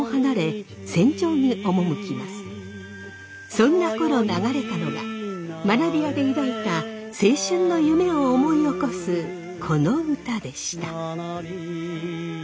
そんなころ流れたのが学び舎で抱いた青春の夢を思い起こすこの歌でした。